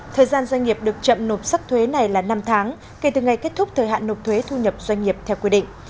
thời gian doanh nghiệp được chậm nộp sắc thuế này là năm tháng kể từ ngày kết thúc thời hạn nộp thuế thu nhập doanh nghiệp theo quy định